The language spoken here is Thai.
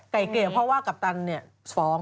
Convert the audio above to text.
ไก่เกลียเพราะว่ากัปตันเนี่ยฟ้อง